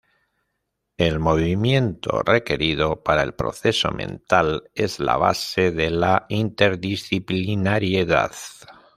El movimiento requerido para el proceso mental es la base de la interdisciplinariedad.